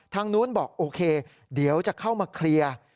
ทางนู้นบอกโอเคเดี๋ยวจะเข้ามาเคลียร์